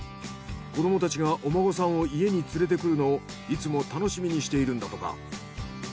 子どもたちがお孫さんを家に連れてくるのをいつも楽しみにしているんだとか。